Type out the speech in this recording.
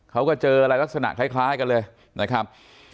เขาก็เจออะไรลักษณะคล้ายกันเลยนะครับ